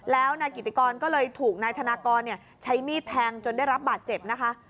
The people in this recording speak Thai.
แล้วนายกิติกรก็เลยถูกนายธนากรใช้มีดแทงจนได้รับบาดเจ็บนะคะ